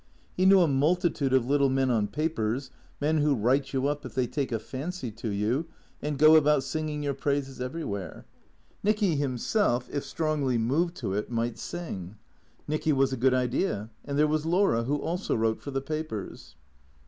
He knew a multitude of little men on papers, men who write you up if they take a fancy to you and go about singing your praises everywhere. Xicky himself, if strongly moved to it, might sing. Xicky was a good idea, and there was Laura who also wrote for the papers.